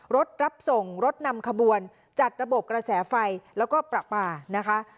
รถรับส่งรถนำขบวนจัดระบบกระแสไฟแล้วก็ประปานะคะ